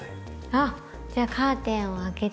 あっじゃあカーテンを開けて。